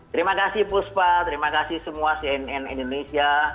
terima kasih puspa terima kasih semua cnn indonesia